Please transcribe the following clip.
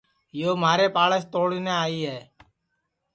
یو مھاریپ آڑس توڑنے آئی ہے